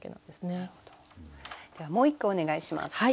ではもう一句お願いします。